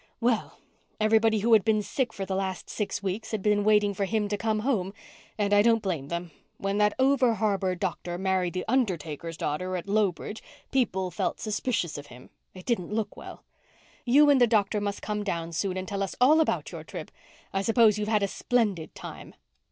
"Well, everybody who has been sick for the last six weeks has been waiting for him to come home—and I don't blame them. When that over harbour doctor married the undertaker's daughter at Lowbridge people felt suspicious of him. It didn't look well. You and the doctor must come down soon and tell us all about your trip. I suppose you've had a splendid time."